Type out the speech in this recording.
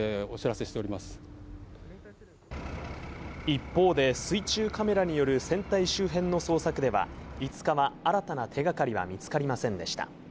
一方で水中カメラによる船体周辺の捜索では５日は新たな手がかりは見つかりませんでした。